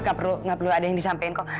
nggak perlu ada yang disampaikan kok